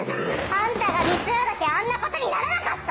あんたがミスらなきゃあんなことにならなかった！